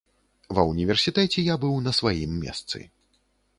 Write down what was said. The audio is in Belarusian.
Ва ўніверсітэце я быў на сваім месцы.